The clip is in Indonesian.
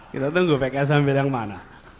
kita tunggu pks ambil yang mana